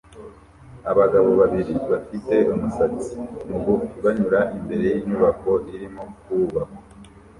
Abagabo babiri bafite umusatsi mugufi banyura imbere yinyubako irimo kubakwa